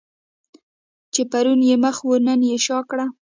چې پرون یې مخ وو نن یې شا کړه.